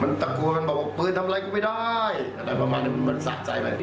มานต่อกูก็มันบอกว่าปือทำไรกูไม่ได้สะใจไป